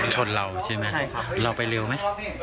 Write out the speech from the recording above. ชนเราใช่ไหมเราไปเร็วไหม